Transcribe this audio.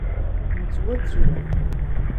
Nettwattu.